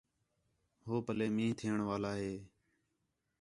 ہو پلّے مینہ تھیݨ والا ہِے